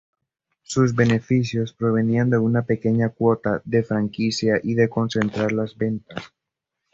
Sus beneficios provenían de una pequeña cuota de franquicia y de concentrar las ventas.